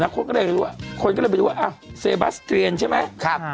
คนก็เลยไปดูว่าเซบัสเตรียนใช่ไหม